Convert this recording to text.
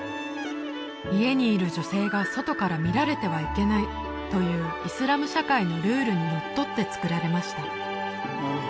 家にいる女性が外から見られてはいけないというイスラム社会のルールにのっとって造られました